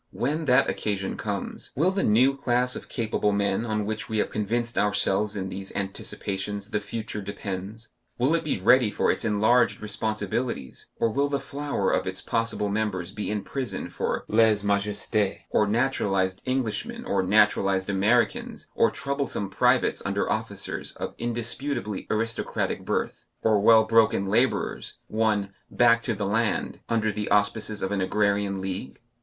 When that occasion comes, will the new class of capable men on which we have convinced ourselves in these anticipations the future depends will it be ready for its enlarged responsibilities, or will the flower of its possible members be in prison for lèse majesté, or naturalized Englishmen or naturalized Americans or troublesome privates under officers of indisputably aristocratic birth, or well broken labourers, won "back to the land," under the auspices of an Agrarian League?